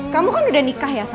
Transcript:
kamu kan udah nikah ya sama al